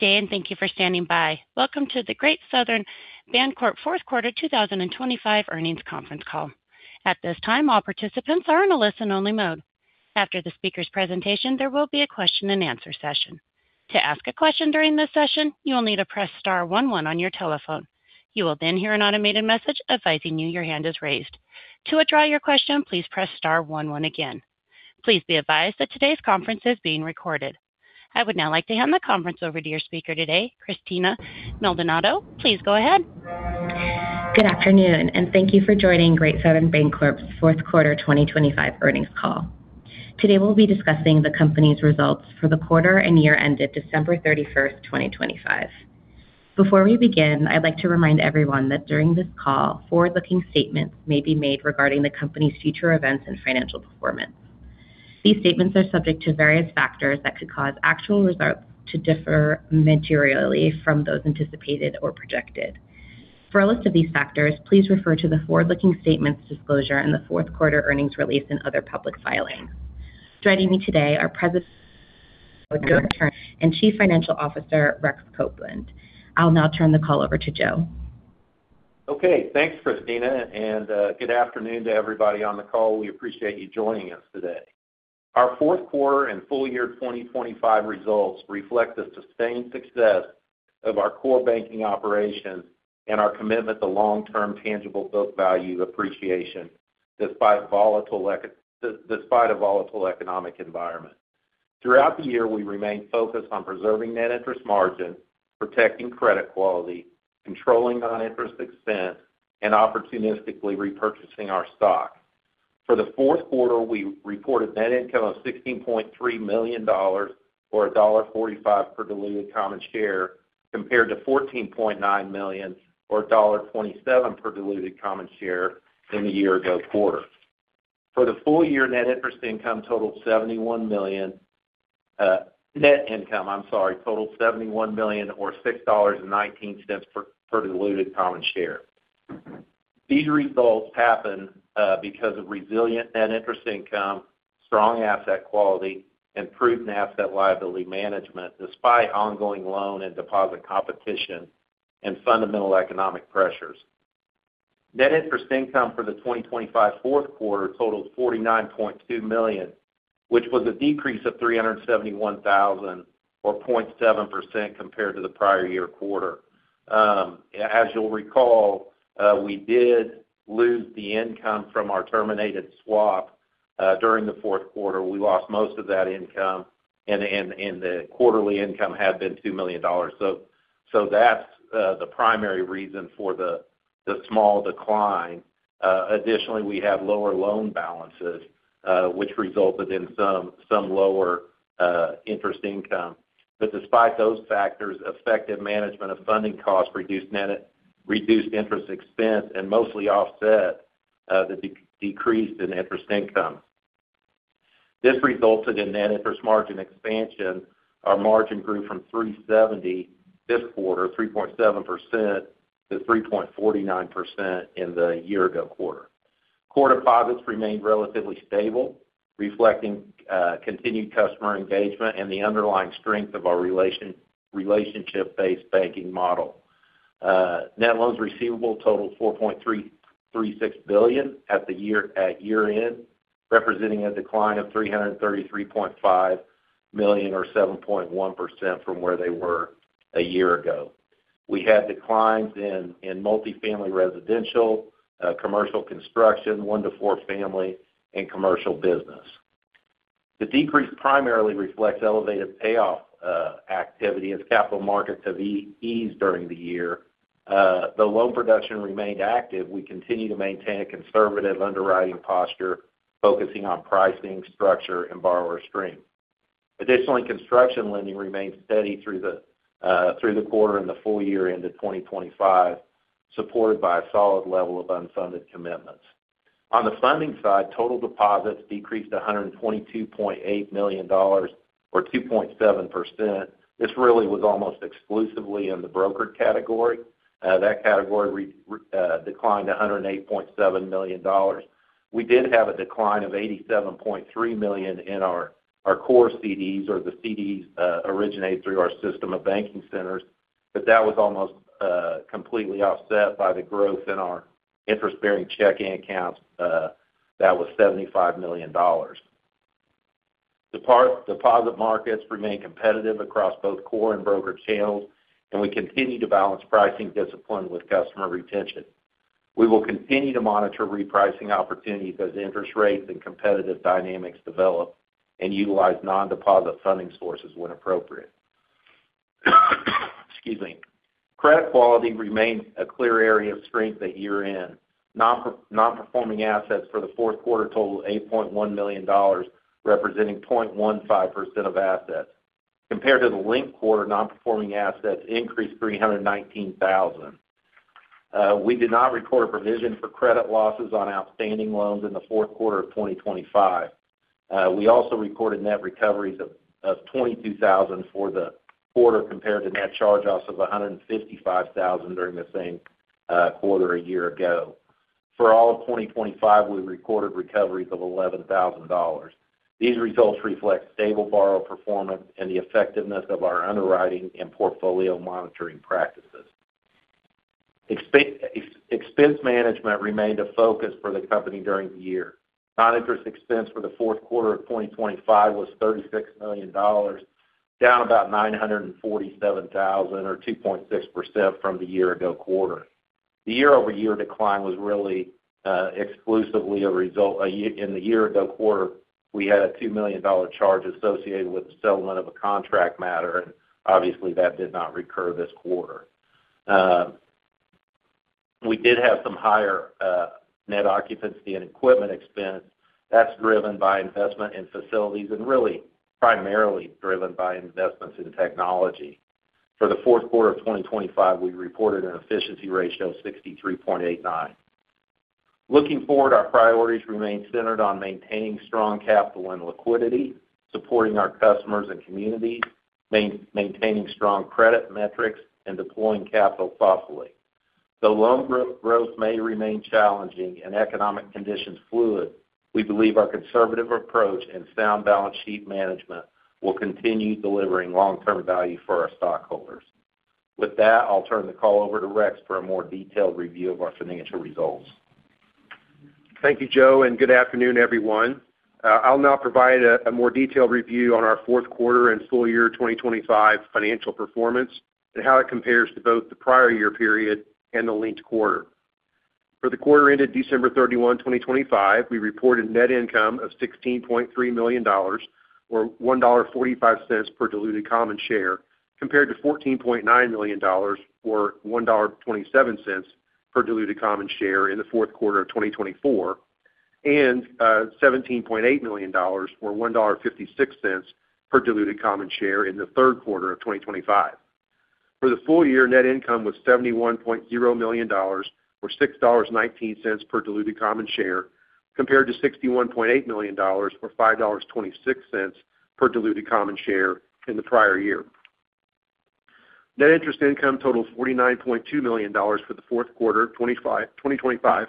Today, and thank you for standing by. Welcome to the Great Southern Bancorp fourth quarter 2025 earnings conference call. At this time, all participants are in a listen-only mode. After the speaker's presentation, there will be a question-and-answer session. To ask a question during this session, you will need to press star one one on your telephone. You will then hear an automated message advising you your hand is raised. To withdraw your question, please press star one one again. Please be advised that today's conference is being recorded. I would now like to hand the conference over to your speaker today, Christina Maldonado. Please go ahead. Good afternoon, and thank you for joining Great Southern Bancorp's Fourth Quarter 2025 earnings call. Today, we'll be discussing the company's results for the quarter and year ended December 31st, 2025. Before we begin, I'd like to remind everyone that during this call, forward-looking statements may be made regarding the company's future events and financial performance. These statements are subject to various factors that could cause actual results to differ materially from those anticipated or projected. For a list of these factors, please refer to the forward-looking statements disclosure and the fourth quarter earnings release and other public filings. Joining me today are President Joe Turner and Chief Financial Officer Rex Copeland. I'll now turn the call over to Joe. Okay. Thanks, Christina, and good afternoon to everybody on the call. We appreciate you joining us today. Our fourth quarter and full year 2025 results reflect the sustained success of our core banking operations and our commitment to long-term tangible book value appreciation despite a volatile economic environment. Throughout the year, we remained focused on preserving net interest margins, protecting credit quality, controlling non-interest expense, and opportunistically repurchasing our stock. For the fourth quarter, we reported net income of $16.3 million or $1.45 per diluted common share, compared to $14.9 million or $1.27 per diluted common share in the year-ago quarter. For the full year, net income totaled $71 million or $6.19 per diluted common share. These results happened because of resilient net interest income, strong asset quality, and proven asset liability management despite ongoing loan and deposit competition and fundamental economic pressures. Net interest income for the 2025 fourth quarter totaled $49.2 million, which was a decrease of $371,000 or 0.7% compared to the prior year quarter. As you'll recall, we did lose the income from our terminated swap during the fourth quarter. We lost most of that income, and the quarterly income had been $2 million. So that's the primary reason for the small decline. Additionally, we had lower loan balances, which resulted in some lower interest income. But despite those factors, effective management of funding costs reduced interest expense and mostly offset the decrease in interest income. This resulted in net interest margin expansion. Our margin grew from 3.70% this quarter, 3.7%, to 3.49% in the year-ago quarter. Core deposits remained relatively stable, reflecting continued customer engagement and the underlying strength of our relationship-based banking model. Net loans receivable totaled $4.336 billion at year-end, representing a decline of $333.5 million or 7.1% from where they were a year ago. We had declines in multifamily residential, commercial construction, one to four family, and commercial business. The decrease primarily reflects elevated payoff activity as capital markets have eased during the year. Though loan production remained active, we continue to maintain a conservative underwriting posture, focusing on pricing, structure, borrower strength. Additionally, construction lending remained steady through the quarter and the full year into 2025, supported by a solid level of unfunded commitments. On the funding side, total deposits decreased to $122.8 million or 2.7%. This really was almost exclusively in the brokered category. That category declined to $108.7 million. We did have a decline of $87.3 million in our core CDs, or the CDs originated through our system of banking centers, but that was almost completely offset by the growth in our interest-bearing checking accounts, that was $75 million. The deposit markets remain competitive across both core and broker channels, and we continue to balance pricing discipline with customer retention. We will continue to monitor repricing opportunities as interest rates and competitive dynamics develop and utilize non-deposit funding sources when appropriate. Excuse me. Credit quality remained a clear area of strength at year-end. Non-performing assets for the fourth quarter totaled $8.1 million, representing 0.15% of assets. Compared to the linked quarter, non-performing assets increased $319,000. We did not record a provision for credit losses on outstanding loans in the fourth quarter of 2025. We also recorded net recoveries of $22,000 for the quarter compared to net charge-offs of $155,000 during the same quarter a year ago. For all of 2025, we recorded recoveries of $11,000. These results reflect stable borrower performance and the effectiveness of our underwriting and portfolio monitoring practices. Expense management remained a focus for the company during the year. Non-interest expense for the fourth quarter of 2025 was $36 million, down about $947,000 or 2.6% from the year-ago quarter. The year-over-year decline was really, exclusively a result. In the year-ago quarter, we had a $2 million charge associated with the settlement of a contract matter, and obviously, that did not recur this quarter. We did have some higher net occupancy and equipment expense. That's driven by investment in facilities and really primarily driven by investments in technology. For the fourth quarter of 2025, we reported an efficiency ratio of 63.89%. Looking forward, our priorities remain centered on maintaining strong capital and liquidity, supporting our customers and communities, maintaining strong credit metrics, and deploying capital thoughtfully. Though loan growth may remain challenging and economic conditions fluid, we believe our conservative approach and sound balance sheet management will continue delivering long-term value for our stockholders. With that, I'll turn the call over to Rex for a more detailed review of our financial results. Thank you, Joe, and good afternoon, everyone. I'll now provide a more detailed review on our fourth quarter and full year 2025 financial performance and how it compares to both the prior year period and the linked quarter. For the quarter-ended December 31, 2025, we reported net income of $16.3 million or $1.45 per diluted common share, compared to $14.9 million or $1.27 per diluted common share in the fourth quarter of 2024, and $17.8 million or $1.56 per diluted common share in the third quarter of 2025. For the full year, net income was $71.0 million or $6.19 per diluted common share, compared to $61.8 million or $5.26 per diluted common share in the prior year. Net interest income totaled $49.2 million for the fourth quarter of 2025,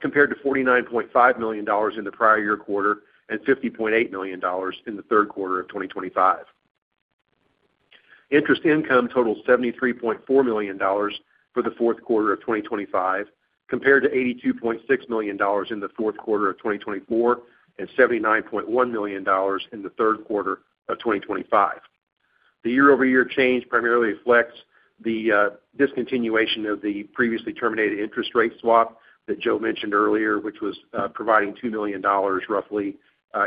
compared to $49.5 million in the prior year quarter and $50.8 million in the third quarter of 2025. Interest income totaled $73.4 million for the fourth quarter of 2025, compared to $82.6 million in the fourth quarter of 2024 and $79.1 million in the third quarter of 2025. The year-over-year change primarily reflects the discontinuation of the previously terminated interest rate swap that Joe mentioned earlier, which was providing $2 million, roughly,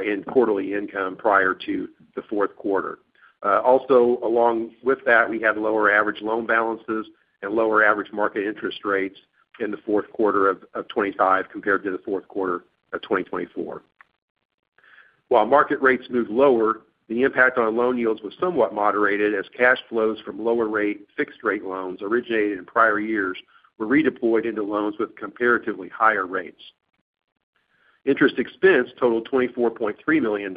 in quarterly income prior to the fourth quarter. Also, along with that, we had lower average loan balances and lower average market interest rates in the fourth quarter of 2025 compared to the fourth quarter of 2024. While market rates moved lower, the impact on loan yields was somewhat moderated as cash flows from lower-rate fixed-rate loans originated in prior years were redeployed into loans with comparatively higher rates. Interest expense totaled $24.3 million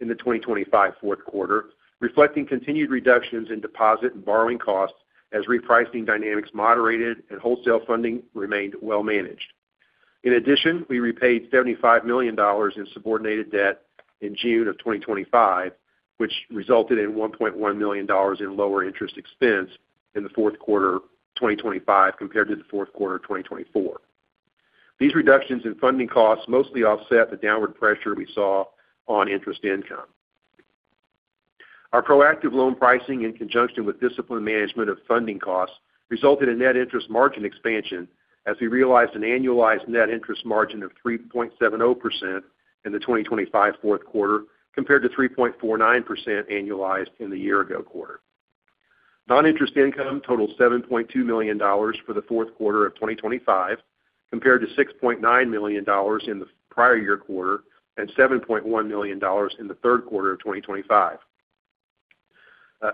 in the 2025 fourth quarter, reflecting continued reductions in deposit and borrowing costs as repricing dynamics moderated and wholesale funding remained well-managed. In addition, we repaid $75 million in subordinated debt in June of 2025, which resulted in $1.1 million in lower interest expense in the fourth quarter of 2025 compared to the fourth quarter of 2024. These reductions in funding costs mostly offset the downward pressure we saw on interest income. Our proactive loan pricing, in conjunction with discipline management of funding costs, resulted in net interest margin expansion as we realized an annualized net interest margin of 3.70% in the 2025 fourth quarter compared to 3.49% annualized in the year-ago quarter. Non-interest income totaled $7.2 million for the fourth quarter of 2025 compared to $6.9 million in the prior year quarter and $7.1 million in the third quarter of 2025.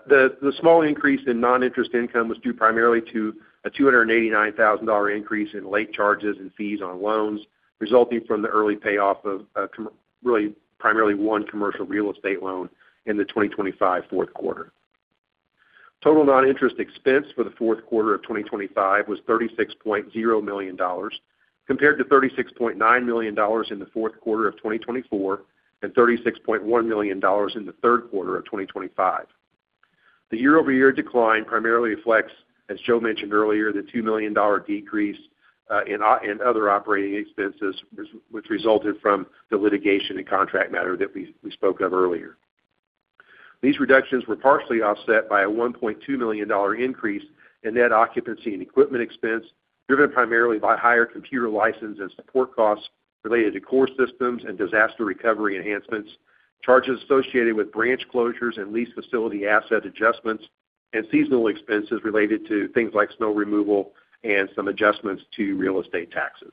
The small increase in non-interest income was due primarily to a $289,000 increase in late charges and fees on loans resulting from the early payoff of, really primarily one commercial real estate loan in the 2025 fourth quarter. Total non-interest expense for the fourth quarter of 2025 was $36.0 million compared to $36.9 million in the fourth quarter of 2024 and $36.1 million in the third quarter of 2025. The year-over-year decline primarily reflects, as Joe mentioned earlier, the $2 million decrease in other operating expenses, which resulted from the litigation and contract matter that we spoke of earlier. These reductions were partially offset by a $1.2 million increase in net occupancy and equipment expense, driven primarily by higher computer license and support costs related to core systems and disaster recovery enhancements, charges associated with branch closures and lease facility asset adjustments, and seasonal expenses related to things like snow removal and some adjustments to real estate taxes.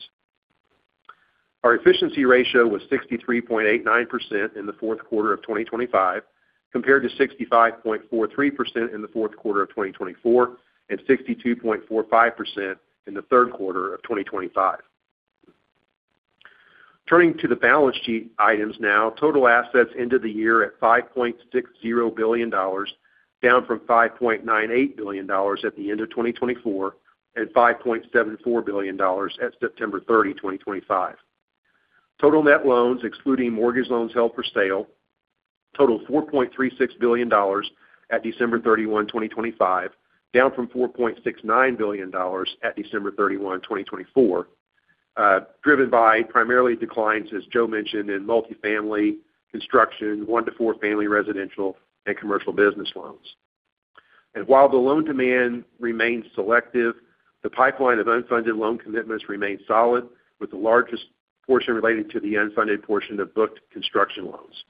Our efficiency ratio was 63.89% in the fourth quarter of 2025 compared to 65.43% in the fourth quarter of 2024 and 62.45% in the third quarter of 2025. Turning to the balance sheet items now, total assets ended the year at $5.60 billion, down from $5.98 billion at the end of 2024 and $5.74 billion at September 30, 2025. Total net loans, excluding mortgage loans held for sale, totaled $4.36 billion at December 31, 2025, down from $4.69 billion at December 31, 2024, driven by primarily declines, as Joe mentioned, in multifamily construction, one to four family residential, and commercial business loans. And while the loan demand remained selective, the pipeline of unfunded loan commitments remained solid, with the largest portion relating to the unfunded portion of booked construction loans.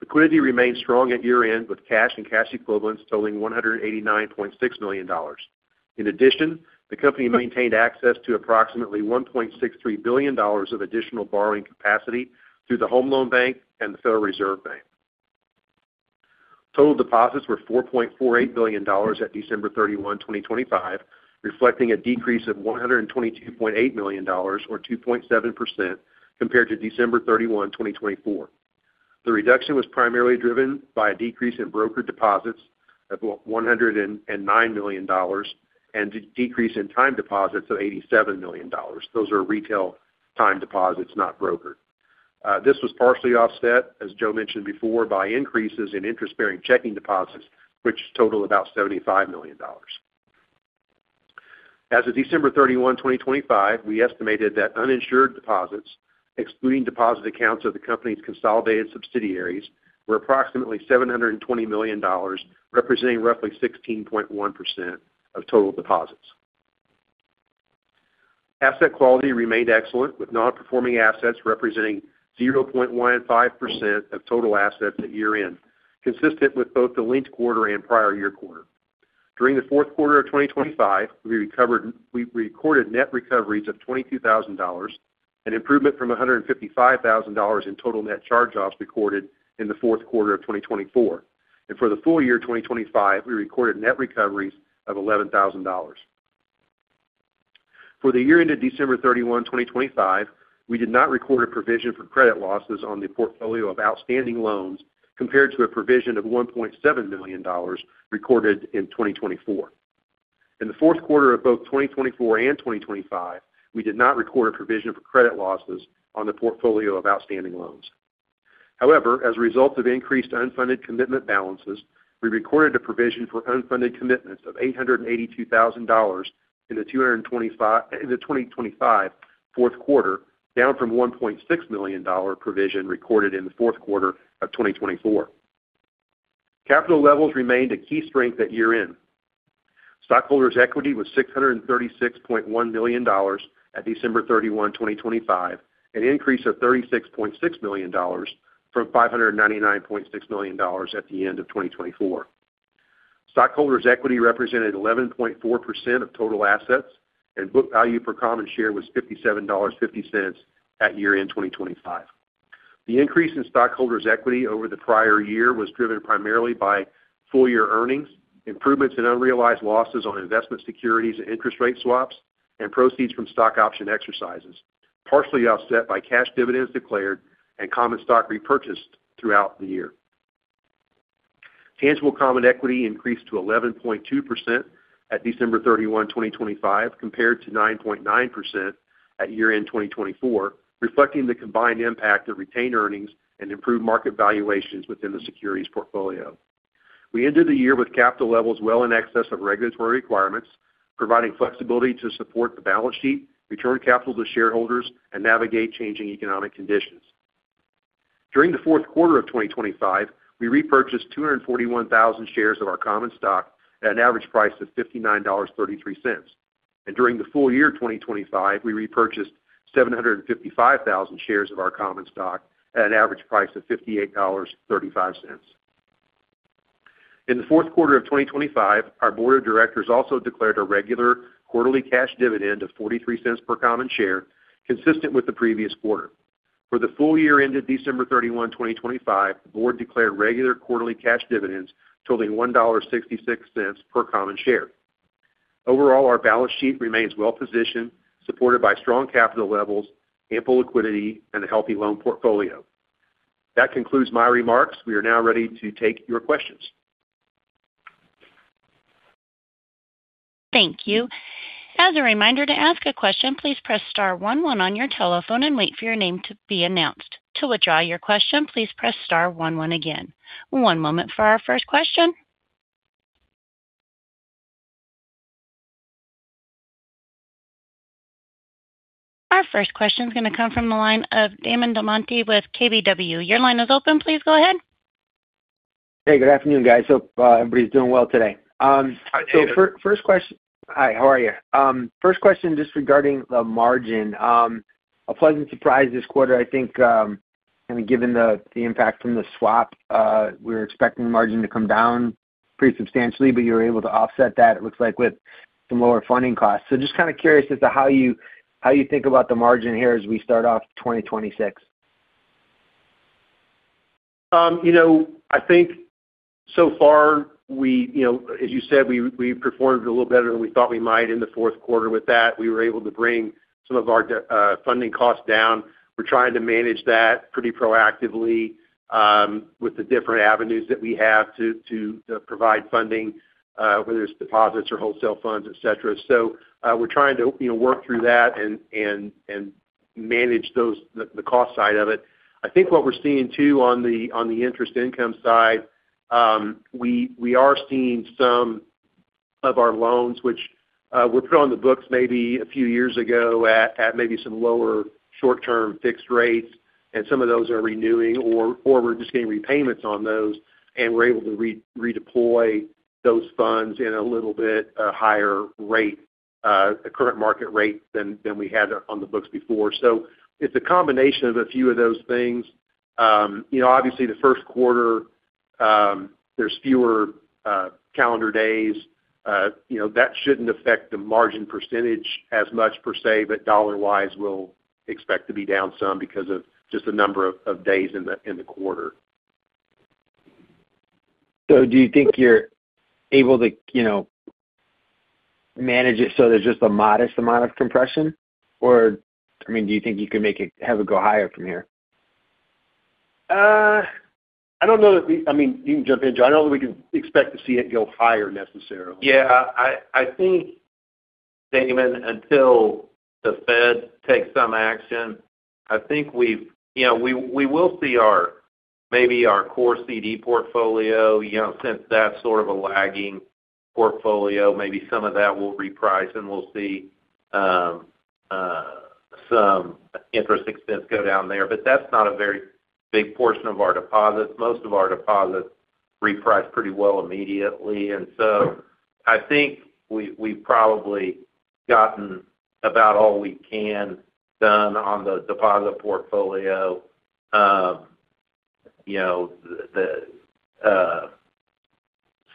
Liquidity remained strong at year-end with cash and cash equivalents totaling $189.6 million. In addition, the company maintained access to approximately $1.63 billion of additional borrowing capacity through the Home Loan Bank and the Federal Reserve Bank. Total deposits were $4.48 billion at December 31, 2025, reflecting a decrease of $122.8 million or 2.7% compared to December 31, 2024. The reduction was primarily driven by a decrease in brokered deposits of $109 million and a decrease in time deposits of $87 million. Those are retail time deposits, not brokered. This was partially offset, as Joe mentioned before, by increases in interest-bearing checking deposits, which totaled about $75 million. As of December 31, 2025, we estimated that uninsured deposits, excluding deposit accounts of the company's consolidated subsidiaries, were approximately $720 million, representing roughly 16.1% of total deposits. Asset quality remained excellent, with non-performing assets representing 0.15% of total assets at year-end, consistent with both the linked quarter and prior year quarter. During the fourth quarter of 2025, we recorded net recoveries of $22,000, an improvement from $155,000 in total net charge-offs recorded in the fourth quarter of 2024, and for the full year 2025, we recorded net recoveries of $11,000. For the year-ended December 31, 2025, we did not record a provision for credit losses on the portfolio of outstanding loans compared to a provision of $1.7 million recorded in 2024. In the fourth quarter of both 2024 and 2025, we did not record a provision for credit losses on the portfolio of outstanding loans. However, as a result of increased unfunded commitment balances, we recorded a provision for unfunded commitments of $882,000 in the 2025 fourth quarter, down from $1.6 million provision recorded in the fourth quarter of 2024. Capital levels remained a key strength at year-end. Stockholders' equity was $636.1 million at December 31, 2025, an increase of $36.6 million from $599.6 million at the end of 2024. Stockholders' equity represented 11.4% of total assets, and book value per common share was $57.50 at year-end 2025. The increase in stockholders' equity over the prior year was driven primarily by full-year earnings, improvements in unrealized losses on investment securities and interest rate swaps, and proceeds from stock option exercises, partially offset by cash dividends declared and common stock repurchased throughout the year. Tangible common equity increased to 11.2% at December 31, 2025, compared to 9.9% at year-end 2024, reflecting the combined impact of retained earnings and improved market valuations within the securities portfolio. We ended the year with capital levels well in excess of regulatory requirements, providing flexibility to support the balance sheet, return capital to shareholders, and navigate changing economic conditions. During the fourth quarter of 2025, we repurchased 241,000 shares of our common stock at an average price of $59.33, and during the full year 2025, we repurchased 755,000 shares of our common stock at an average price of $58.35. In the fourth quarter of 2025, our board of directors also declared a regular quarterly cash dividend of $0.43 per common share, consistent with the previous quarter. For the full year-ended December 31, 2025, the board declared regular quarterly cash dividends totaling $1.66 per common share. Overall, our balance sheet remains well-positioned, supported by strong capital levels, ample liquidity, and a healthy loan portfolio. That concludes my remarks. We are now ready to take your questions. Thank you. As a reminder, to ask a question, please press star one one on your telephone and wait for your name to be announced. To withdraw your question, please press star one one again. One moment for our first question. Our first question's going to come from the line of Damon DelMonte with KBW. Your line is open. Please go ahead. Hey, good afternoon, guys. Hope everybody's doing well today. Hi, Damon. So, first question. Hi, how are you? First question just regarding the margin. A pleasant surprise this quarter, I think, kind of given the impact from the swap. We were expecting the margin to come down pretty substantially, but you were able to offset that, it looks like, with some lower funding costs. So just kind of curious as to how you, how you think about the margin here as we start off 2026. You know, I think so far we, you know, as you said, we performed a little better than we thought we might in the fourth quarter with that. We were able to bring some of our funding costs down. We're trying to manage that pretty proactively, with the different avenues that we have to provide funding, whether it's deposits or wholesale funds, etc. So, we're trying to, you know, work through that and manage those, the cost side of it. I think what we're seeing too on the interest income side, we are seeing some of our loans, which were put on the books maybe a few years ago at maybe some lower short-term fixed rates, and some of those are renewing, or we're just getting repayments on those, and we're able to redeploy those funds at a little bit higher rate, the current market rate than we had on the books before. So it's a combination of a few of those things. You know, obviously, the first quarter, there's fewer calendar days. You know, that shouldn't affect the margin percentage as much per se, but dollar-wise, we'll expect to be down some because of just the number of days in the quarter. So do you think you're able to, you know, manage it so there's just a modest amount of compression? Or, I mean, do you think you could make it have it go higher from here? I don't know that we, I mean, you can jump in, Joe. I don't know that we can expect to see it go higher necessarily. Yeah. I think, Damon, until the Fed takes some action, I think we've, you know, we will see our, maybe our core CD portfolio, you know, since that's sort of a lagging portfolio, maybe some of that will reprice, and we'll see some interest expense go down there. But that's not a very big portion of our deposits. Most of our deposits reprice pretty well immediately. And so I think we've probably gotten about all we can done on the deposit portfolio. You know,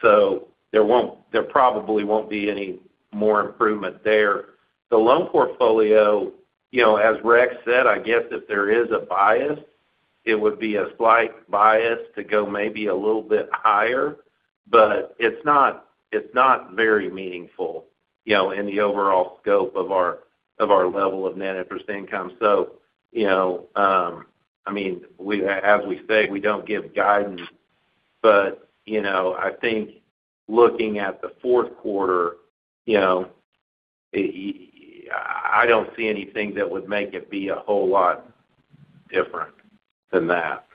so there won't, there probably won't be any more improvement there. The loan portfolio, you know, as Rex said, I guess if there is a bias, it would be a slight bias to go maybe a little bit higher, but it's not very meaningful, you know, in the overall scope of our level of net interest income. So, you know, I mean, we, as we say, we don't give guidance, but, you know, I think looking at the fourth quarter, you know, I don't see anything that would make it be a whole lot different than that.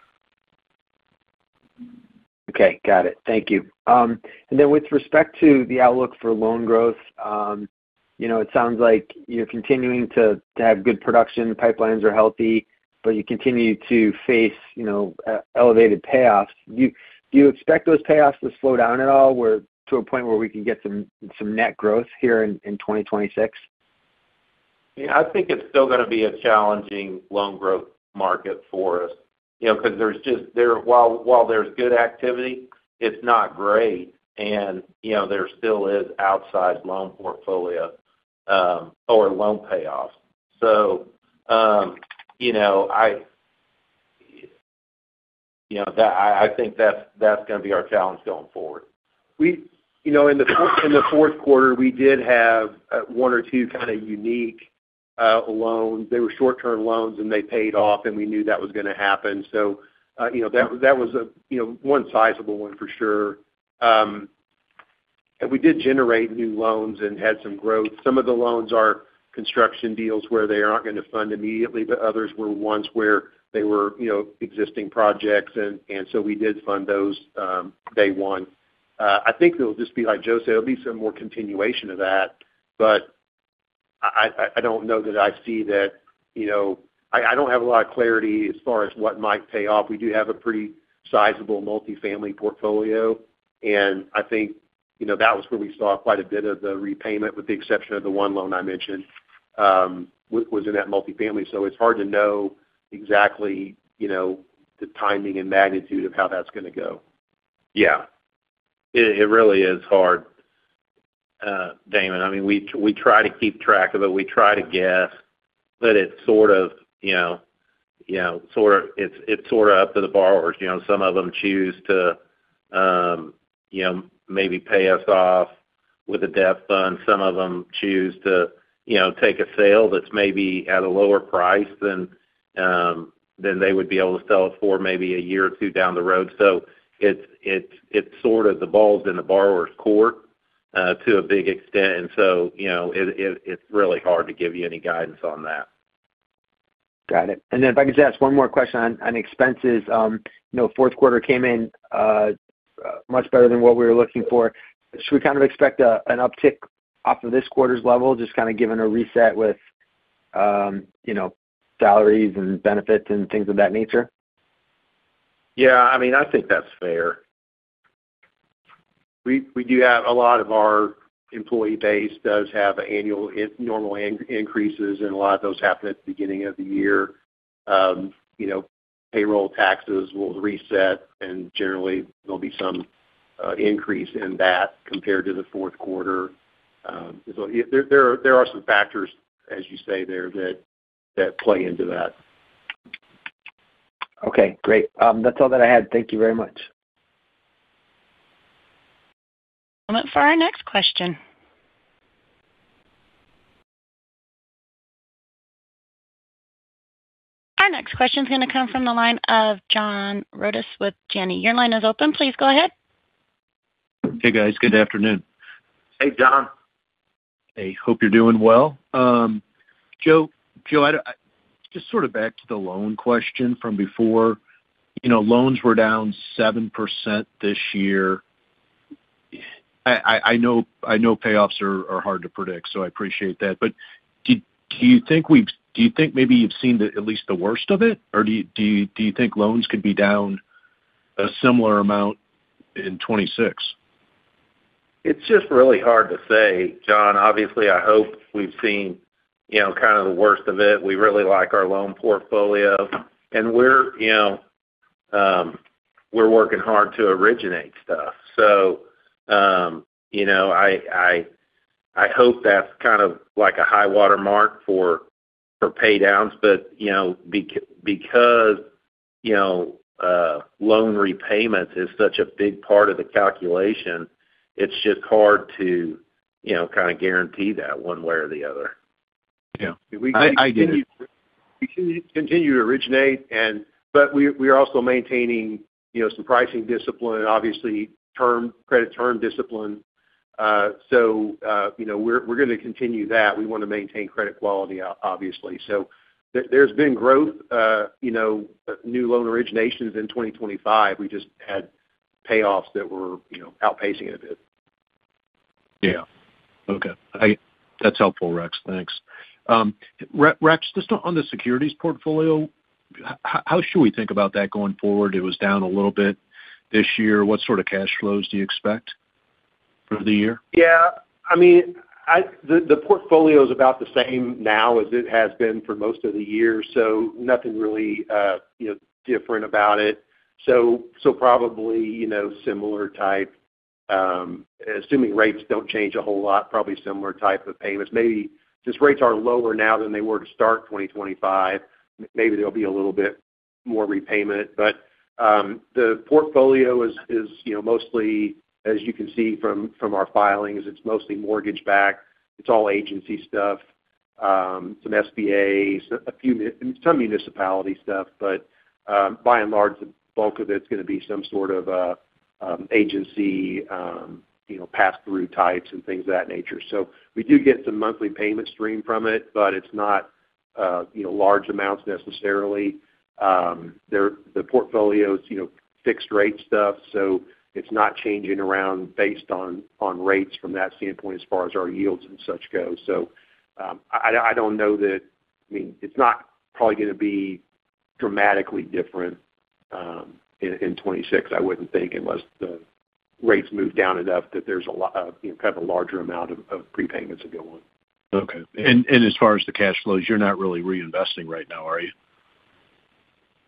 Okay. Got it. Thank you. And then with respect to the outlook for loan growth, you know, it sounds like you're continuing to have good production. Pipelines are healthy, but you continue to face, you know, elevated payoffs. Do you expect those payoffs to slow down at all? We're to a point where we can get some net growth here in 2026? Yeah. I think it's still going to be a challenging loan growth market for us, you know, because there's just, while there's good activity, it's not great, and, you know, there still is outside loan portfolio, or loan payoffs. So, you know, I think that's going to be our challenge going forward. We, you know, in the fourth quarter, we did have one or two kind of unique loans. They were short-term loans, and they paid off, and we knew that was going to happen. So, you know, that was a, you know, one sizable one for sure. And we did generate new loans and had some growth. Some of the loans are construction deals where they are not going to fund immediately, but others were ones where they were, you know, existing projects, and so we did fund those, day one. I think it'll just be, like Joe said, it'll be some more continuation of that, but I don't know that I see that, you know, I don't have a lot of clarity as far as what might pay off. We do have a pretty sizable multifamily portfolio, and I think, you know, that was where we saw quite a bit of the repayment, with the exception of the one loan I mentioned, was in that multifamily. So it's hard to know exactly, you know, the timing and magnitude of how that's going to go. Yeah. It really is hard, Damon. I mean, we try to keep track of it. We try to guess, but it's sort of, you know, sort of up to the borrowers. You know, some of them choose to, you know, maybe pay us off with a debt fund. Some of them choose to, you know, take a sale that's maybe at a lower price than they would be able to sell it for maybe a year or two down the road. So it's sort of the ball's in the borrower's court, to a big extent. And so, you know, it's really hard to give you any guidance on that. Got it. Then if I could just ask one more question on expenses, you know, fourth quarter came in much better than what we were looking for. Should we kind of expect an uptick off of this quarter's level, just kind of given a reset with, you know, salaries and benefits and things of that nature? Yeah. I mean, I think that's fair. We do have a lot of our employee base does have annual normal increases, and a lot of those happen at the beginning of the year. You know, payroll taxes will reset, and generally, there'll be some increase in that compared to the fourth quarter. So there are some factors, as you say there, that play into that. Okay. Great. That's all that I had. Thank you very much. And then for our next question. Our next question's going to come from the line of John Rodis with Janney. Your line is open. Please go ahead. Hey, guys. Good afternoon. Hey, John. Hey. Hope you're doing well. Joe, I just sort of back to the loan question from before. You know, loans were down 7% this year. I know payoffs are hard to predict, so I appreciate that. But do you think maybe you've seen at least the worst of it? Or do you think loans could be down a similar amount in 2026? It's just really hard to say, John. Obviously, I hope we've seen, you know, kind of the worst of it. We really like our loan portfolio, and we're, you know, we're working hard to originate stuff. So, you know, I hope that's kind of like a high-water mark for pay downs. But, you know, because, you know, loan repayments is such a big part of the calculation, it's just hard to, you know, kind of guarantee that one way or the other. Yeah. We continue to originate, but we're also maintaining, you know, some pricing discipline, obviously, term credit term discipline. You know, we're going to continue that. We want to maintain credit quality, obviously. So there's been growth, you know, new loan originations in 2025. We just had payoffs that were, you know, outpacing it a bit. Yeah. Okay. That's helpful, Rex. Thanks. Rex, just on the securities portfolio, how should we think about that going forward? It was down a little bit this year. What sort of cash flows do you expect for the year? Yeah. I mean, the portfolio is about the same now as it has been for most of the year. So nothing really, you know, different about it. So probably, you know, similar type, assuming rates don't change a whole lot, probably similar type of payments. Maybe just rates are lower now than they were to start 2025. Maybe there'll be a little bit more repayment. But the portfolio is, you know, mostly, as you can see from our filings, it's mostly mortgage-backed. It's all agency stuff, some SBAs, a few some municipality stuff. But by and large, the bulk of it's going to be some sort of agency, you know, pass-through types and things of that nature. So we do get some monthly payment stream from it, but it's not, you know, large amounts necessarily. There, the portfolio's, you know, fixed-rate stuff, so it's not changing around based on rates from that standpoint as far as our yields and such go. So, I don't know that, I mean, it's not probably going to be dramatically different in 2026, I wouldn't think, unless the rates move down enough that there's a lot, you know, kind of a larger amount of prepayments that go on. Okay. As far as the cash flows, you're not really reinvesting right now, are you?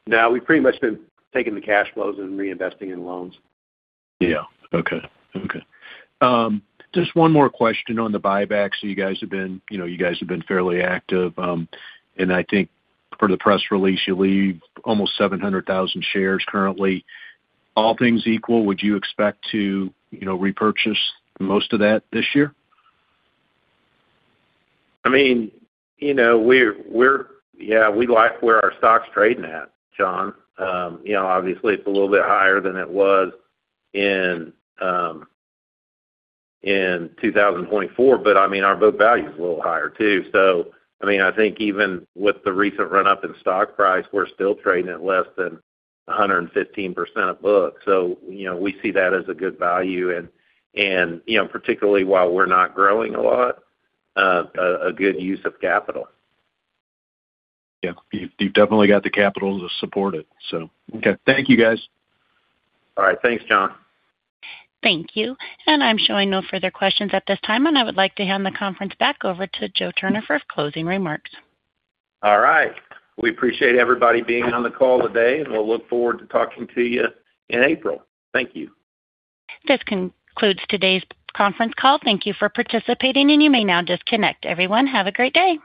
No. We've pretty much been taking the cash flows and reinvesting in loans. Yeah. Okay. Okay, just one more question on the buyback, so you guys have been, you know, you guys have been fairly active, and I think for the press release, you leave almost 700,000 shares currently, all things equal. Would you expect to, you know, repurchase most of that this year? I mean, you know, we're, yeah, we like where our stock's trading at, John. You know, obviously, it's a little bit higher than it was in 2024, but I mean, our book value's a little higher too. So, I mean, I think even with the recent run-up in stock price, we're still trading at less than 115% of books. So, you know, we see that as a good value, and, you know, particularly while we're not growing a lot, a good use of capital. Yeah. You've, you've definitely got the capital to support it, so. Okay. Thank you, guys. All right. Thanks, John. Thank you. And I'm showing no further questions at this time, and I would like to hand the conference back over to Joe Turner for closing remarks. All right. We appreciate everybody being on the call today, and we'll look forward to talking to you in April. Thank you. This concludes today's conference call. Thank you for participating, and you may now disconnect. Everyone, have a great day.